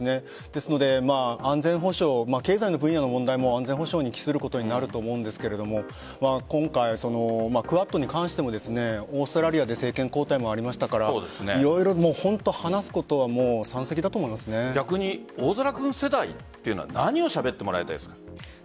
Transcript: ですので、安全保障経済の分野の問題も安全保障の分野に帰すると思うんですが今回クアッドに関してもオーストラリアで政権交代もありましたから色々本当に逆に大空君世代というのは何をしゃべってもらいたいですか？